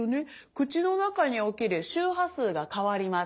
口の中における周波数が変わります。